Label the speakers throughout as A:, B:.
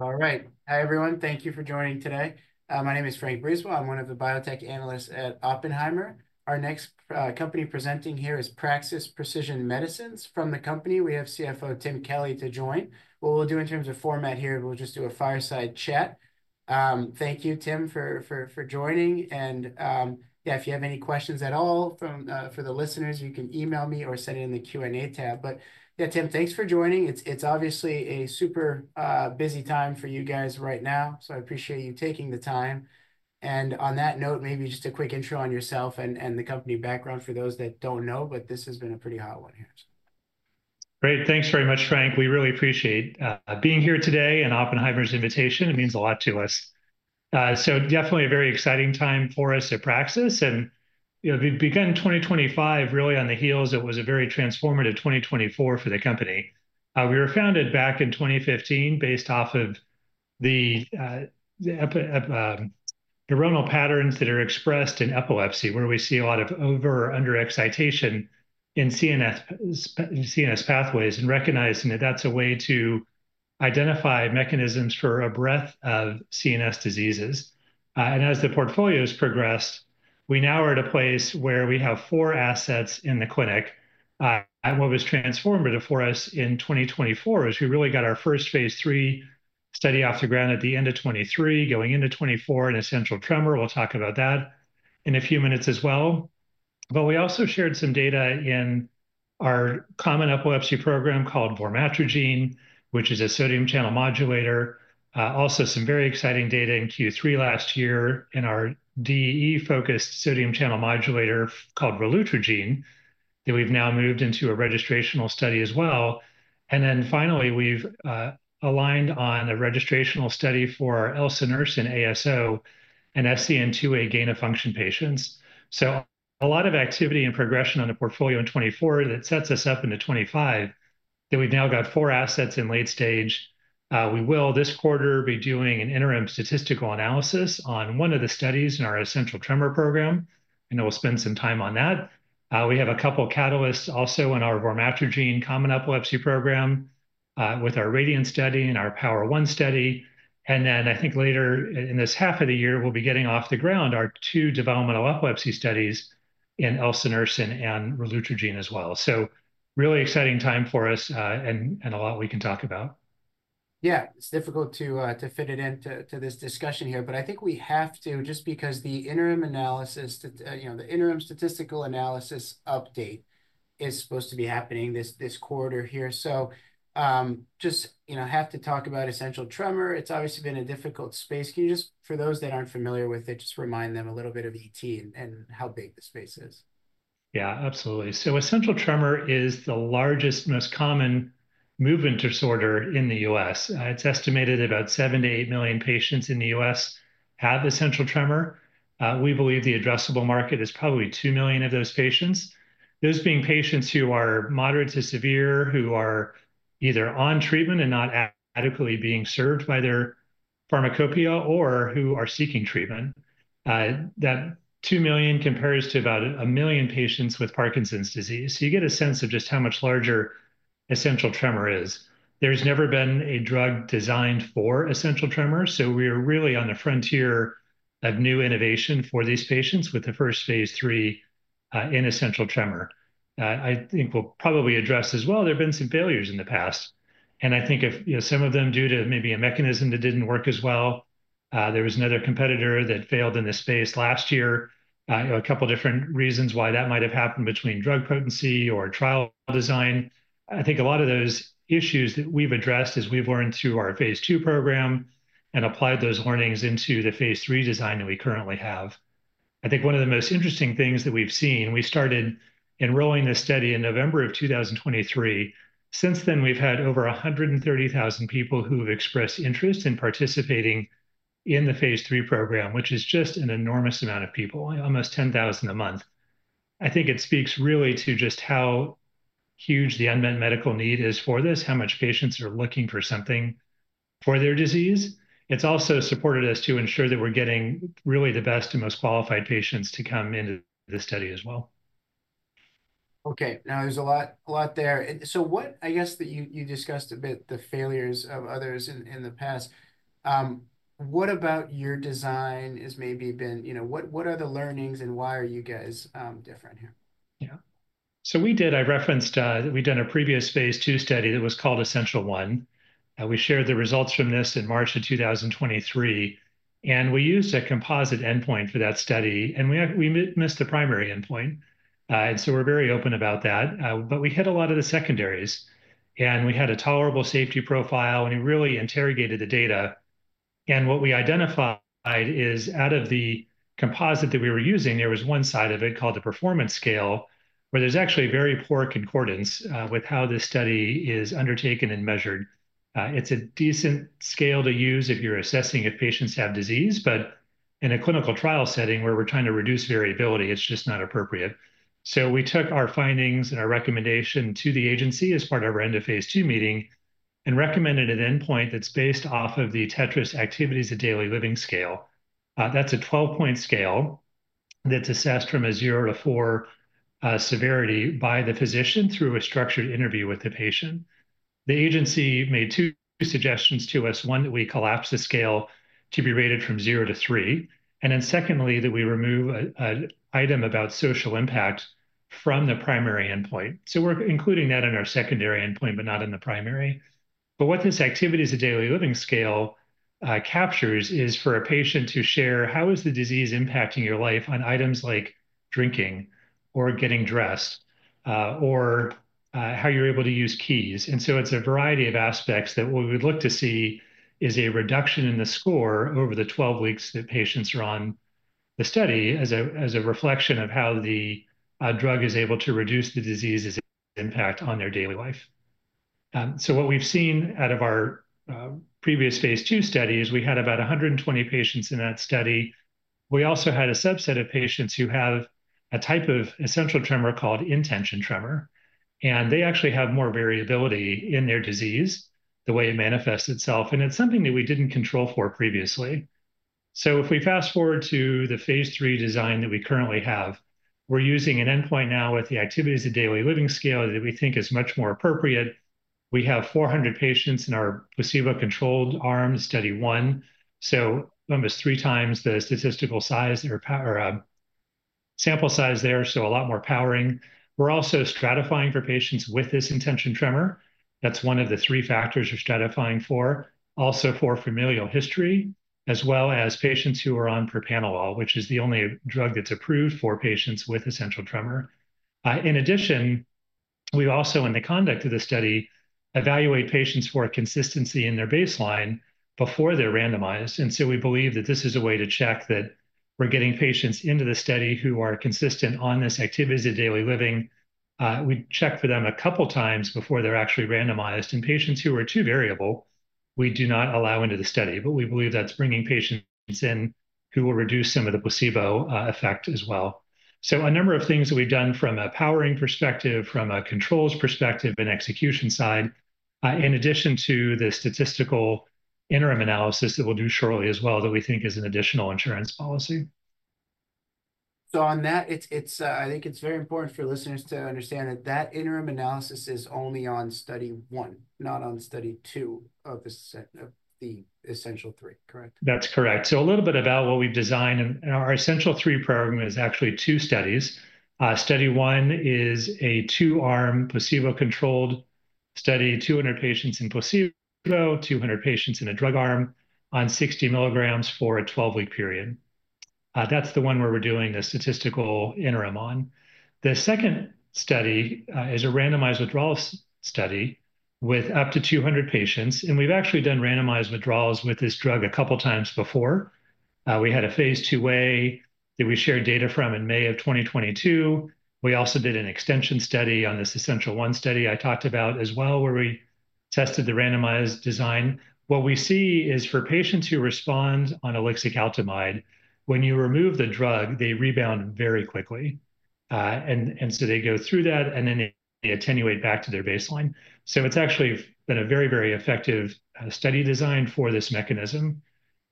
A: All right. Hi, everyone. Thank you for joining today. My name is Franç Brisebois. I'm one of the Biotech Analysts at Oppenheimer. Our next company presenting here is Praxis Precision Medicines. From the company, we have CFO Tim Kelly to join. What we'll do in terms of format here, we'll just do a fireside chat. Thank you, Tim, for joining. And yeah, if you have any questions at all for the listeners, you can email me or send it in the Q&A tab. But yeah, Tim, thanks for joining. It's obviously a super busy time for you guys right now, so I appreciate you taking the time. And on that note, maybe just a quick intro on yourself and the company background for those that don't know, but this has been a pretty hot one here.
B: Great. Thanks very much, Franç. We really appreciate being here today and Oppenheimer's invitation. It means a lot to us, so definitely a very exciting time for us at Praxis, and we began 2025 really on the heels. It was a very transformative 2024 for the company. We were founded back in 2015 based off of the neuronal patterns that are expressed in epilepsy, where we see a lot of over- or under-excitation in CNS pathways and recognizing that that's a way to identify mechanisms for a breadth of CNS diseases, and as the portfolios progressed, we now are at a place where we have four assets in the clinic. What was transformative for us in 2024 is we really got our first phase III study off the ground at the end of 2023, going into 2024 in essential tremor. We'll talk about that in a few minutes as well. But we also shared some data in our common epilepsy program called Vormatrigine, which is a sodium channel modulator. Also some very exciting data in Q3 last year in our DE-focused sodium channel modulator called Relutrigine that we've now moved into a registrational study as well. And then finally, we've aligned on a registrational study for Elsunersen ASO and SCN2A gain-of-function patients. So a lot of activity and progression on the portfolio in 2024 that sets us up into 2025 that we've now got four assets in late stage. We will this quarter be doing an interim statistical analysis on one of the studies in our essential tremor program. I know we'll spend some time on that. We have a couple of catalysts also in our Vormatrigine common epilepsy program with our RADIANT study and our POWER1 study. And then I think later in this half of the year, we'll be getting off the ground our two developmental epilepsy studies in Elsunersen and Relutrigine as well. So really exciting time for us and a lot we can talk about.
A: Yeah, it's difficult to fit it into this discussion here, but I think we have to just because the interim analysis, the interim statistical analysis update is supposed to be happening this quarter here. So just have to talk about essential tremor. It's obviously been a difficult space. Can you just, for those that aren't familiar with it, just remind them a little bit of ET and how big the space is?
B: Yeah, absolutely. So essential tremor is the largest, most common movement disorder in the U.S. It's estimated about seven to eight million patients in the U.S. have essential tremor. We believe the addressable market is probably two million of those patients. Those being patients who are moderate to severe, who are either on treatment and not adequately being served by their pharmacopeia or who are seeking treatment. That two million compares to about a million patients with Parkinson's disease. So you get a sense of just how much larger essential tremor is. There's never been a drug designed for essential tremor. So we are really on the frontier of new innovation for these patients with the first phase III in essential tremor. I think we'll probably address as well. There have been some failures in the past. I think if some of them due to maybe a mechanism that didn't work as well. There was another competitor that failed in this space last year. A couple of different reasons why that might have happened between drug potency or trial design. I think a lot of those issues that we've addressed as we've learned through our phase II program and applied those learnings into the phase III design that we currently have. I think one of the most interesting things that we've seen. We started enrolling the study in November of 2023. Since then, we've had over 130,000 people who have expressed interest in participating in the phase III program, which is just an enormous amount of people, almost 10,000 a month. I think it speaks really to just how huge the unmet medical need is for this, how much patients are looking for something for their disease. It's also supported us to ensure that we're getting really the best and most qualified patients to come into the study as well.
A: Okay. Now there's a lot there. So, what I guess that you discussed a bit: the failures of others in the past. What about your design has maybe been? What are the learnings, and why are you guys different here?
B: Yeah. So we did. I referenced we'd done a previous phase II study that was called Essential1. We shared the results from this in March of 2023. And we used a composite endpoint for that study. And we missed the primary endpoint. And so we're very open about that. But we hit a lot of the secondaries. And we had a tolerable safety profile. And we really interrogated the data. And what we identified is out of the composite that we were using, there was one side of it called the performance scale, where there's actually very poor concordance with how this study is undertaken and measured. It's a decent scale to use if you're assessing if patients have disease, but in a clinical trial setting where we're trying to reduce variability, it's just not appropriate. So we took our findings and our recommendation to the agency as part of our end of phase II meeting and recommended an endpoint that's based off of the TETRAS Activities of Daily Living Scale. That's a 12-point scale that's assessed from a zero to four severity by the physician through a structured interview with the patient. The agency made two suggestions to us, one that we collapse the scale to be rated from zero to three, and then secondly, that we remove an item about social impact from the primary endpoint. So we're including that in our secondary endpoint, but not in the primary. But what this Activities of Daily Living Scale captures is for a patient to share how is the disease impacting your life on items like drinking or getting dressed or how you're able to use keys. It's a variety of aspects that what we would look to see is a reduction in the score over the 12 weeks that patients are on the study as a reflection of how the drug is able to reduce the disease's impact on their daily life. So what we've seen out of our previous phase II study is we had about 120 patients in that study. We also had a subset of patients who have a type of essential tremor called intention tremor. And they actually have more variability in their disease, the way it manifests itself. And it's something that we didn't control for previously. So if we fast forward to the phase III design that we currently have, we're using an endpoint now with the Activities of Daily Living Scale that we think is much more appropriate. We have 400 patients in our placebo-controlled arms, study one. So almost three times the statistical size or sample size there, so a lot more powering. We're also stratifying for patients with this intention tremor. That's one of the three factors we're stratifying for. Also for familial history, as well as patients who are on propranolol, which is the only drug that's approved for patients with essential tremor. In addition, we also, in the conduct of the study, evaluate patients for consistency in their baseline before they're randomized. And so we believe that this is a way to check that we're getting patients into the study who are consistent on this Activities of Daily Living. We check for them a couple of times before they're actually randomized. And patients who are too variable, we do not allow into the study, but we believe that's bringing patients in who will reduce some of the placebo effect as well. So a number of things that we've done from a powering perspective, from a controls perspective and execution side, in addition to the statistical interim analysis that we'll do shortly as well that we think is an additional insurance policy.
A: So on that, I think it's very important for listeners to understand that that interim analysis is only on study one, not on study two of the Essential3, correct?
B: That's correct, so a little bit about what we've designed, and our Essential3 program is actually two studies. Study one is a two-arm placebo-controlled study, 200 patients in placebo, 200 patients in a drug arm on 60 mg for a 12-week period. That's the one where we're doing the statistical interim on. The second study is a randomized withdrawal study with up to 200 patients, and we've actually done randomized withdrawals with this drug a couple of times before. We had a phase II way that we shared data from in May of 2022. We also did an extension study on this Essential1 study I talked about as well, where we tested the randomized design. What we see is for patients who respond on ulixacaltamide, when you remove the drug, they rebound very quickly. And so they go through that and then they attenuate back to their baseline. So it's actually been a very, very effective study design for this mechanism.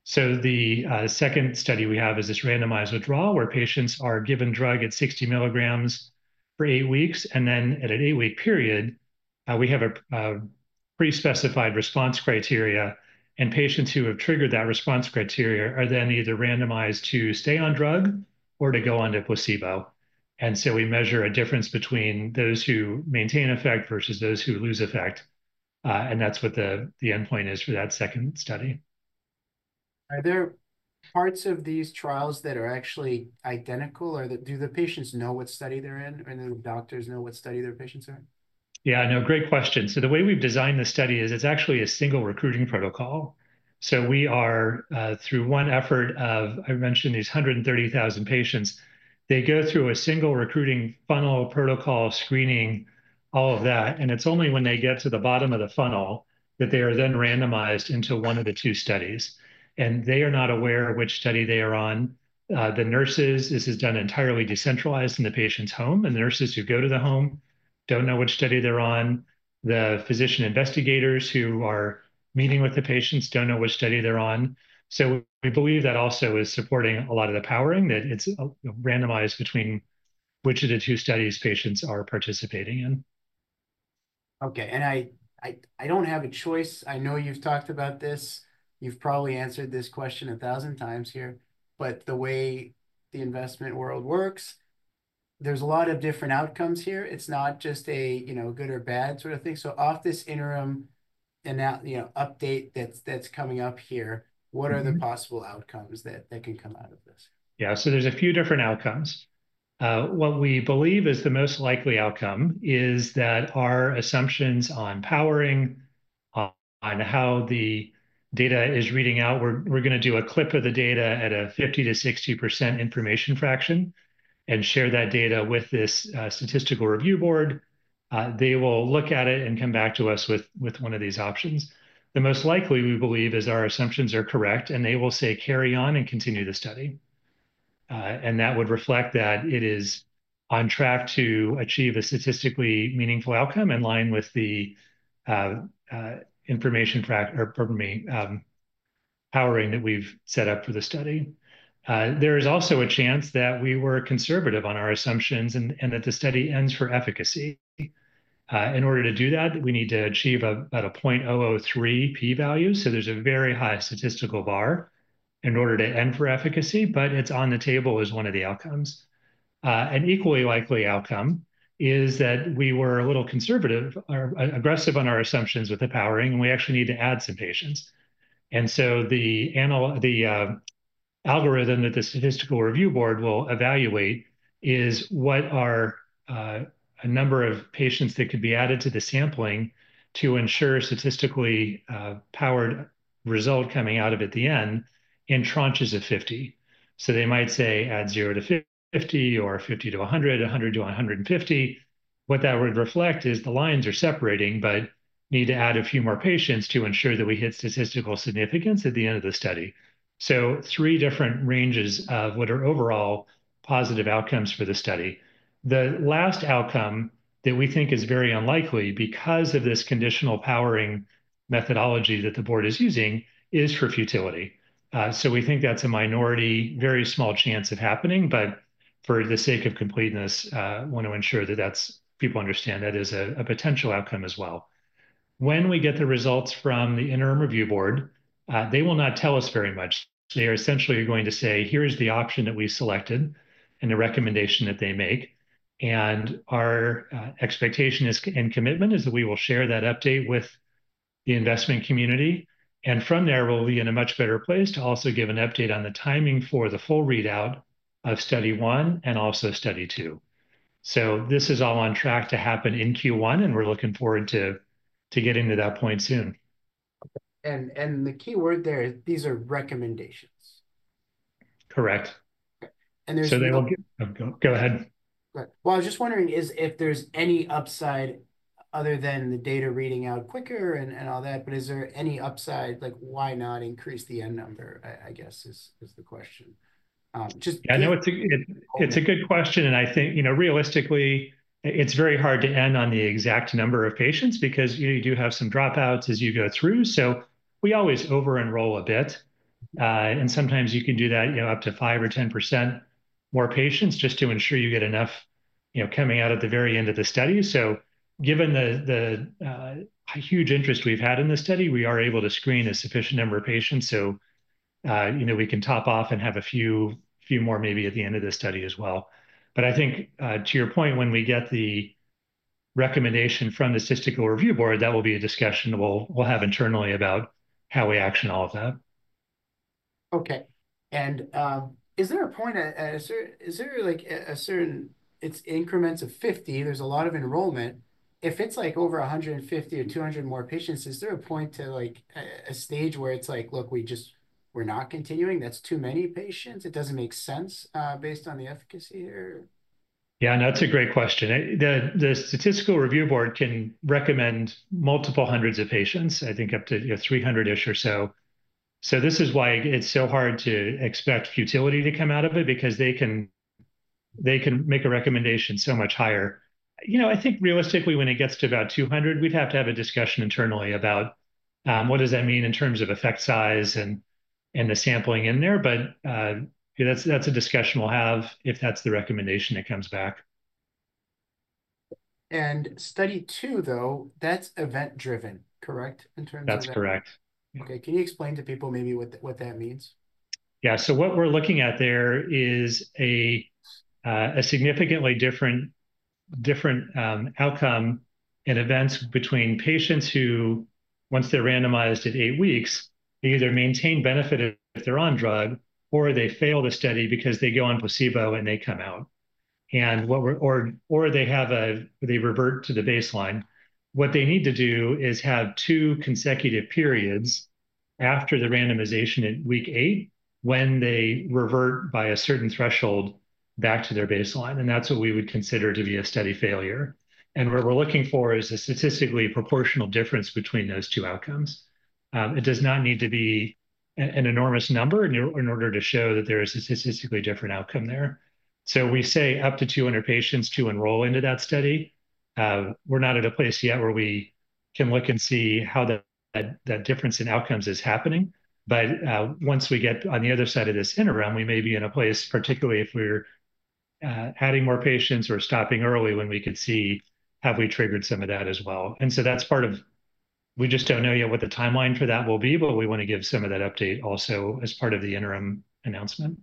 B: So the second study we have is this randomized withdrawal where patients are given drug at 60 mg for eight weeks. And then at an eight-week period, we have a pre-specified response criteria. And patients who have triggered that response criteria are then either randomized to stay on drug or to go on to placebo. And so we measure a difference between those who maintain effect versus those who lose effect. And that's what the endpoint is for that second study.
A: Are there parts of these trials that are actually identical? Do the patients know what study they're in? And do the doctors know what study their patients are in?
B: Yeah, no, great question. So the way we've designed the study is it's actually a single recruiting protocol. So we are, through one effort of, I mentioned these 130,000 patients, they go through a single recruiting funnel protocol screening, all of that. And it's only when they get to the bottom of the funnel that they are then randomized into one of the two studies. And they are not aware of which study they are on. The nurses, this is done entirely decentralized in the patient's home. And the nurses who go to the home don't know which study they're on. The physician investigators who are meeting with the patients don't know which study they're on. So we believe that also is supporting a lot of the powering that it's randomized between which of the two studies patients are participating in.
A: Okay. And I don't have a choice. I know you've talked about this. You've probably answered this question a thousand times here. But the way the investment world works, there's a lot of different outcomes here. It's not just a good or bad sort of thing. So off this interim update that's coming up here, what are the possible outcomes that can come out of this?
B: Yeah, so there's a few different outcomes. What we believe is the most likely outcome is that our assumptions on powering, on how the data is reading out, we're going to do a clip of the data at a 50%-60% information fraction and share that data with this statistical review board. They will look at it and come back to us with one of these options. The most likely we believe is our assumptions are correct and they will say carry on and continue the study, and that would reflect that it is on track to achieve a statistically meaningful outcome in line with the information powering that we've set up for the study. There is also a chance that we were conservative on our assumptions and that the study ends for efficacy. In order to do that, we need to achieve about a 0.003 P-value. So there's a very high statistical bar in order to end for efficacy, but it's on the table as one of the outcomes. An equally likely outcome is that we were a little conservative, aggressive on our assumptions with the powering, and we actually need to add some patients, and so the algorithm that the statistical review board will evaluate is what are a number of patients that could be added to the sampling to ensure a statistically powered result coming out of it at the end in tranches of 50, so they might say add zero to 50 or 50 to 100, 100 to 150. What that would reflect is the lines are separating, but need to add a few more patients to ensure that we hit statistical significance at the end of the study, so three different ranges of what are overall positive outcomes for the study. The last outcome that we think is very unlikely because of this conditional powering methodology that the board is using is for futility. So we think that's a minority, very small chance of happening, but for the sake of completeness, want to ensure that people understand that is a potential outcome as well. When we get the results from the interim review board, they will not tell us very much. They are essentially going to say, here is the option that we selected and the recommendation that they make. And our expectation and commitment is that we will share that update with the investment community. And from there, we'll be in a much better place to also give an update on the timing for the full readout of study one and also study two. So this is all on track to happen in Q1, and we're looking forward to getting to that point soon.
A: The key word there, these are recommendations.
B: Correct.
A: And there's.
B: So they will give go ahead.
A: I was just wondering if there's any upside other than the data reading out quicker and all that, but is there any upside, like why not increase the end number, I guess is the question.
B: Yeah, I know it's a good question, and I think realistically, it's very hard to end on the exact number of patients because you do have some dropouts as you go through, so we always over-enroll a bit, and sometimes you can do that up to 5% or 10% more patients just to ensure you get enough coming out at the very end of the study, so given the huge interest we've had in this study, we are able to screen a sufficient number of patients, so we can top off and have a few more maybe at the end of this study as well, but I think to your point, when we get the recommendation from the statistical review board, that will be a discussion we'll have internally about how we action all of that.
A: Okay. And is there a point? Is there a certain increments of 50? There's a lot of enrollment. If it's like over 150 or 200 more patients, is there a point to a stage where it's like, look, we just, we're not continuing. That's too many patients. It doesn't make sense based on the efficacy here?
B: Yeah, that's a great question. The statistical review board can recommend multiple hundreds of patients, I think up to 300-ish or so. So this is why it's so hard to expect futility to come out of it because they can make a recommendation so much higher. I think realistically, when it gets to about 200, we'd have to have a discussion internally about what does that mean in terms of effect size and the sampling in there. But that's a discussion we'll have if that's the recommendation that comes back.
A: Study two, though, that's event-driven, correct?
B: That's correct.
A: Okay. Can you explain to people maybe what that means?
B: Yeah, so what we're looking at there is a significantly different outcome in events between patients who, once they're randomized at eight weeks, they either maintain benefit if they're on drug or they fail the study because they go on placebo and they come out. Or they have a, they revert to the baseline. What they need to do is have two consecutive periods after the randomization at week eight when they revert by a certain threshold back to their baseline. And that's what we would consider to be a study failure. And what we're looking for is a statistically proportional difference between those two outcomes. It does not need to be an enormous number in order to show that there is a statistically different outcome there. So we say up to 200 patients to enroll into that study. We're not at a place yet where we can look and see how that difference in outcomes is happening. But once we get on the other side of this interim, we may be in a place, particularly if we're adding more patients or stopping early, when we could see have we triggered some of that as well. And so that's part of, we just don't know yet what the timeline for that will be, but we want to give some of that update also as part of the interim announcement.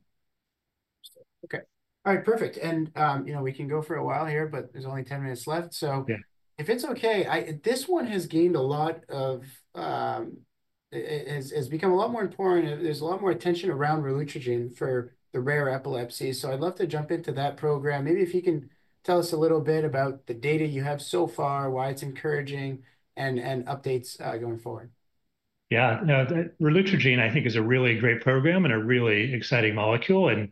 A: Okay. All right. Perfect. And we can go for a while here, but there's only 10 minutes left. So if it's okay, this one has gained a lot of, has become a lot more important. There's a lot more attention around Relutrigine for the rare epilepsy. So I'd love to jump into that program. Maybe if you can tell us a little bit about the data you have so far, why it's encouraging, and updates going forward.
B: Yeah. Relutrigine, I think, is a really great program and a really exciting molecule. And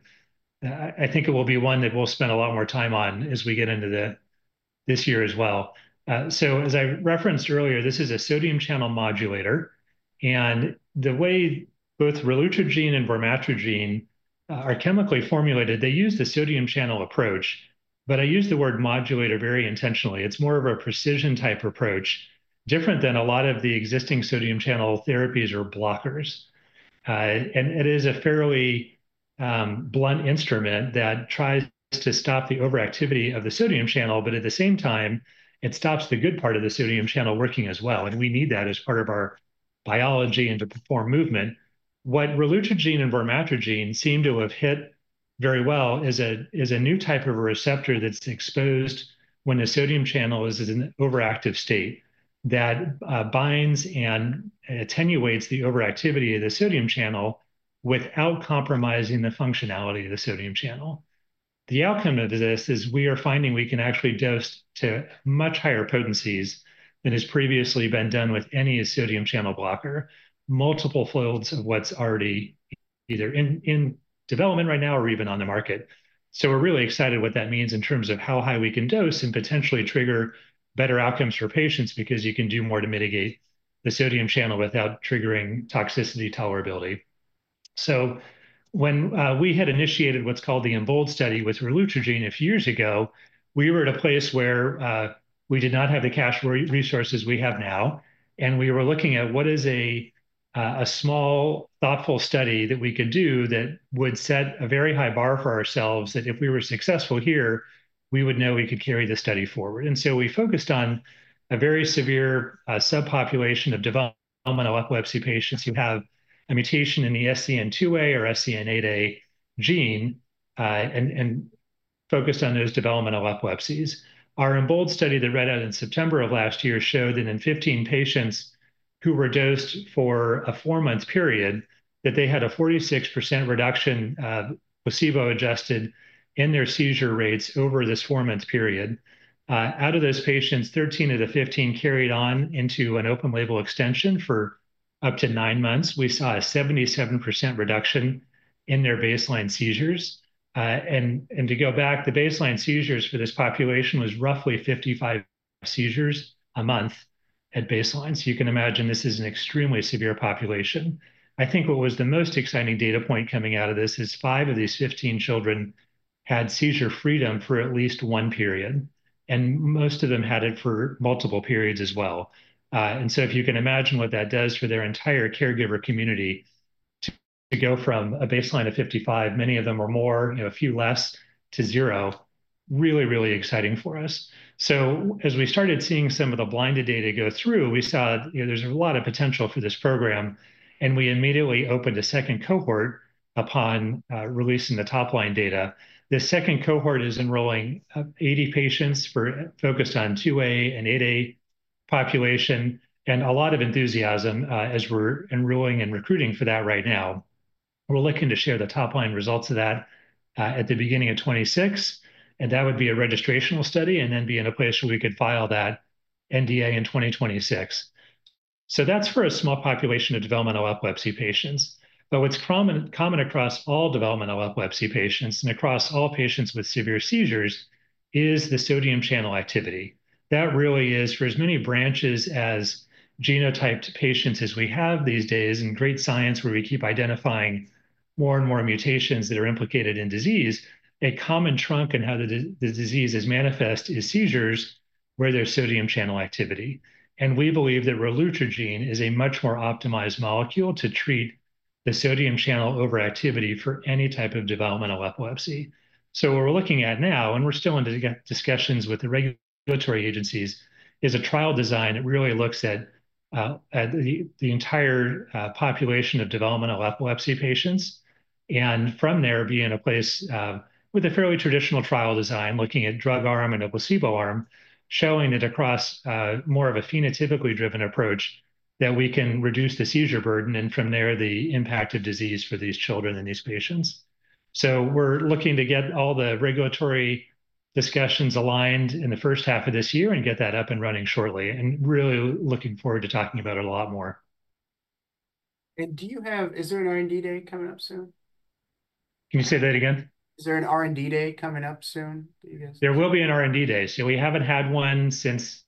B: I think it will be one that we'll spend a lot more time on as we get into this year as well. So as I referenced earlier, this is a sodium channel modulator. And the way both Relutrigine and Vormatrigine are chemically formulated, they use the sodium channel approach. But I use the word modulator very intentionally. It's more of a precision-type approach, different than a lot of the existing sodium channel therapies or blockers. And it is a fairly blunt instrument that tries to stop the overactivity of the sodium channel, but at the same time, it stops the good part of the sodium channel working as well. And we need that as part of our biology and to perform movement. What Relutrigine and Vormatrigine seem to have hit very well is a new type of receptor that's exposed when the sodium channel is in an overactive state that binds and attenuates the overactivity of the sodium channel without compromising the functionality of the sodium channel. The outcome of this is we are finding we can actually dose to much higher potencies than has previously been done with any sodium channel blocker, multiple folds of what's already either in development right now or even on the market. So we're really excited what that means in terms of how high we can dose and potentially trigger better outcomes for patients because you can do more to mitigate the sodium channel without triggering toxicity tolerability. So when we had initiated what's called the EMBOLD study with Relutrigine a few years ago, we were at a place where we did not have the cash resources we have now. And we were looking at what is a small, thoughtful study that we could do that would set a very high bar for ourselves that if we were successful here, we would know we could carry the study forward. And so we focused on a very severe subpopulation of developmental epilepsy patients who have a mutation in the SCN2A or SCN8A gene and focused on those developmental epilepsies. Our EMBOLD study that read out in September of last year showed that in 15 patients who were dosed for a four-month period, that they had a 46% reduction of placebo-adjusted in their seizure rates over this four-month period. Out of those patients, 13 of the 15 carried on into an open label extension for up to nine months. We saw a 77% reduction in their baseline seizures. And to go back, the baseline seizures for this population was roughly 55 seizures a month at baseline. So you can imagine this is an extremely severe population. I think what was the most exciting data point coming out of this is five of these 15 children had seizure freedom for at least one period. And most of them had it for multiple periods as well. And so if you can imagine what that does for their entire caregiver community to go from a baseline of 55, many of them or more, a few less to zero, really, really exciting for us. As we started seeing some of the blinded data go through, we saw there's a lot of potential for this program. And we immediately opened a second cohort upon releasing the top line data. This second cohort is enrolling 80 patients focused on SCN2A and SCN8A population and a lot of enthusiasm as we're enrolling and recruiting for that right now. We're looking to share the top line results of that at the beginning of 2026. And that would be a registrational study and then be in a place where we could file that NDA in 2026. So that's for a small population of developmental epilepsy patients. But what's common across all developmental epilepsy patients and across all patients with severe seizures is the sodium channel activity. That really is for as many branches as genotyped patients as we have these days and great science where we keep identifying more and more mutations that are implicated in disease. A common trunk in how the disease is manifest is seizures where there's sodium channel activity. We believe that Relutrigine is a much more optimized molecule to treat the sodium channel overactivity for any type of developmental epilepsy. What we're looking at now, and we're still in discussions with the regulatory agencies, is a trial design that really looks at the entire population of developmental epilepsy patients. From there, be in a place with a fairly traditional trial design looking at drug arm and a placebo arm, showing that across more of a phenotypically driven approach that we can reduce the seizure burden and from there the impact of disease for these children and these patients. So we're looking to get all the regulatory discussions aligned in the first half of this year and get that up and running shortly and really looking forward to talking about it a lot more.
A: Do you have, is there an R&D day coming up soon?
B: Can you say that again?
A: Is there an R&D day coming up soon?
B: There will be an R&D day. So we haven't had one since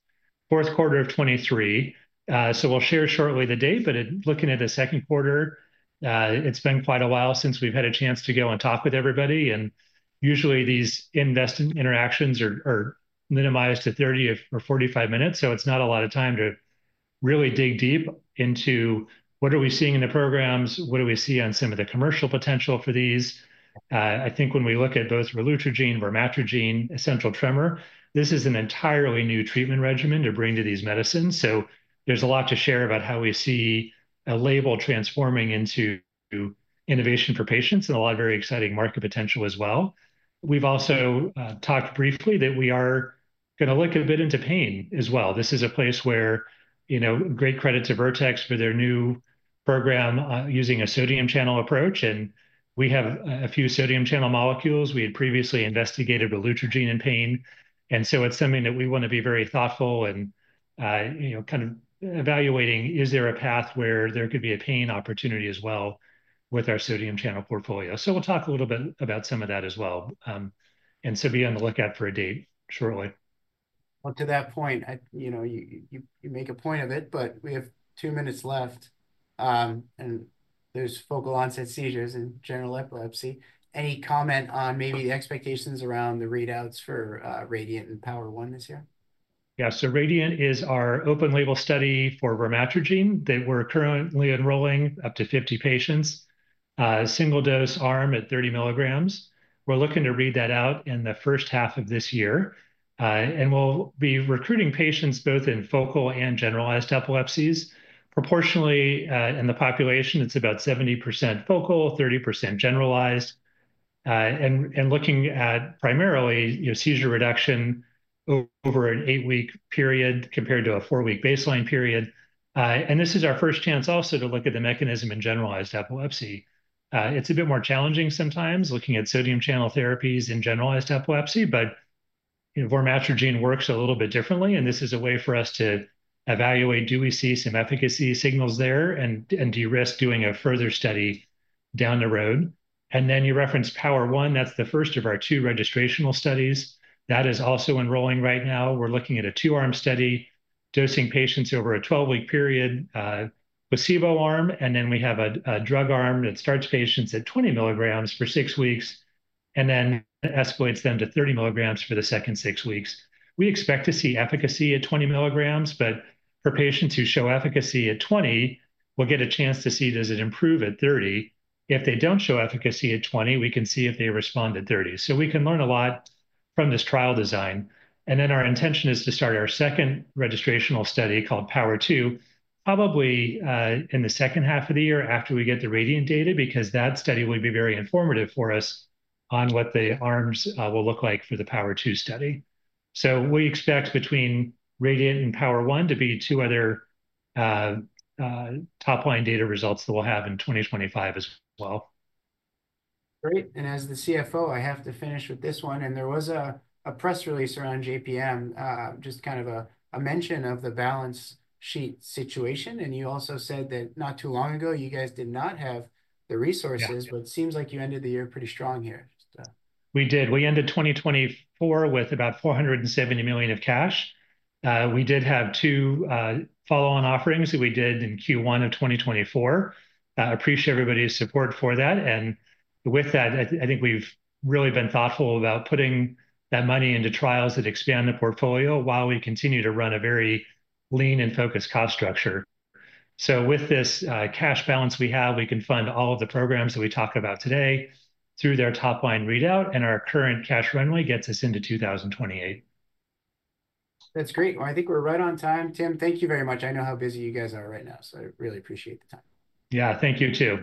B: fourth quarter of 2023. So we'll share shortly the date, but looking at the second quarter, it's been quite a while since we've had a chance to go and talk with everybody. And usually these investment interactions are minimized to 30 minutes or 45 minutes. So it's not a lot of time to really dig deep into what are we seeing in the programs, what do we see on some of the commercial potential for these. I think when we look at both relutrigine, Vormatrigine, essential tremor, this is an entirely new treatment regimen to bring to these medicines. So there's a lot to share about how we see a label transforming into innovation for patients and a lot of very exciting market potential as well. We've also talked briefly that we are going to look a bit into pain as well. This is a place where great credit to Vertex for their new program using a sodium channel approach, and we have a few sodium channel molecules. We had previously investigated Relutrigine and pain, and so it's something that we want to be very thoughtful and kind of evaluating, is there a path where there could be a pain opportunity as well with our sodium channel portfolio, so we'll talk a little bit about some of that as well, and so be on the lookout for a date shortly.
A: Well, to that point, you make a point of it, but we have two minutes left. And there's focal onset seizures and generalized epilepsy. Any comment on maybe the expectations around the readouts for RADIANT and POWER1 this year?
B: Yeah. So RADIANT is our open label study for Vormatrigine that we're currently enrolling up to 50 patients, single dose arm at 30 mg. We're looking to read that out in the first half of this year. We'll be recruiting patients both in focal and generalized epilepsies. Proportionally in the population, it's about 70% focal, 30% generalized. We're looking at primarily seizure reduction over an eight-week period compared to a four-week baseline period. This is our first chance also to look at the mechanism in generalized epilepsy. It's a bit more challenging sometimes looking at sodium channel therapies in generalized epilepsy, but Vormatrigine works a little bit differently. This is a way for us to evaluate, do we see some efficacy signals there and de-risk doing a further study down the road. Then you referenced POWER1, that's the first of our two registrational studies. That is also enrolling right now. We're looking at a two-arm study, dosing patients over a 12-week period, placebo arm, and then we have a drug arm that starts patients at 20 mg for six weeks and then escalates them to 30 mg for the second six weeks. We expect to see efficacy at 20 mg, but for patients who show efficacy at 20, we'll get a chance to see does it improve at 30. If they don't show efficacy at 20, we can see if they respond at 30. So we can learn a lot from this trial design. And then our intention is to start our second registrational study called POWER2, probably in the second half of the year after we get the RADIANT data because that study will be very informative for us on what the arms will look like for the POWER2 study. We expect between RADIANT and POWER1 to be two other top-line data results that we'll have in 2025 as well.
A: Great. And as the CFO, I have to finish with this one. And there was a press release around JPM, just kind of a mention of the balance sheet situation. And you also said that not too long ago, you guys did not have the resources, but it seems like you ended the year pretty strong here.
B: We did. We ended 2024 with about $470 million of cash. We did have two follow-on offerings that we did in Q1 of 2024. Appreciate everybody's support for that, and with that, I think we've really been thoughtful about putting that money into trials that expand the portfolio while we continue to run a very lean and focused cost structure, so with this cash balance we have, we can fund all of the programs that we talk about today through their top line readout, and our current cash runway gets us into 2028.
A: That's great. Well, I think we're right on time. Tim, thank you very much. I know how busy you guys are right now, so I really appreciate the time.
B: Yeah, thank you too.